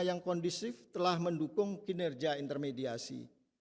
yang kondusif telah mendukung kinerja intermediasi